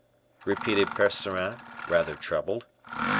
'" repeated Percerin, rather troubled.